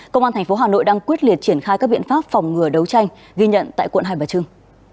công an tp hà nội đang quyết liệt triển khai các biện pháp phòng ngừa đấu tranh ghi nhận tại quận hai bà trưng